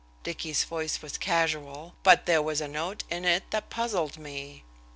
Dicky's voice was casual, but there was a note in it that puzzled me.